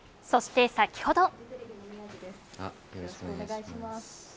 そして、先ほど。